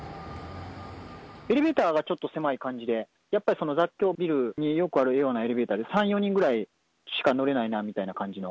エレベーターはちょっと狭い感じで、やっぱり雑居ビルによくあるようなエレベーターで、３、４人ぐらいしか乗れないなみたいな感じの。